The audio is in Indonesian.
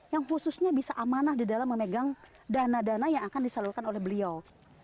yang khususnya bisa amanah di dalam memegang dana dana yang akan disalurkan oleh beliau